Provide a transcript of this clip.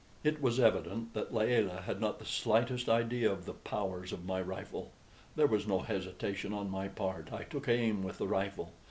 It was evident that Layelah had not the slightest idea of the powers of my rifle. There was no hesitation on my part. I took aim with the rifle.